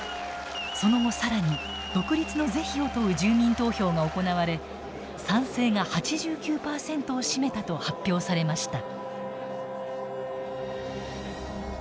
その後更に独立の是非を問う住民投票が行われ賛成が８９％を占めたと発表されました。